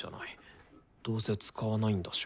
どうせ使わないんだし。